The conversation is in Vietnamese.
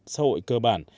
xã hội cơ bản